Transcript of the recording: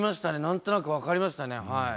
何となく分かりましたねはい。